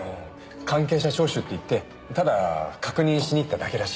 関係者聴取っていってただ確認しに行っただけだし。